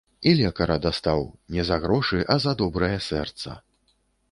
І лекара дастаў, не за грошы, а за добрае сэрца.